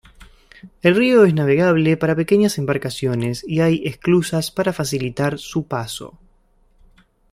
El río es navegable para pequeñas embarcaciones y hay esclusas para facilitar su paso.